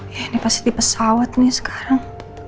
ya ini pasti di pesawat nih sekarang